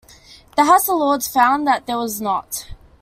The House of Lords found that there was not.